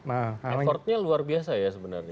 effortnya luar biasa ya sebenarnya